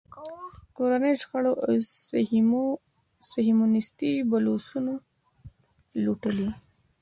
کورنیو شخړو او صیهیونېستي بلوسنو لوټلی.